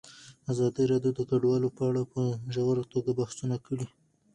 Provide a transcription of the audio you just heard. ازادي راډیو د کډوال په اړه په ژوره توګه بحثونه کړي.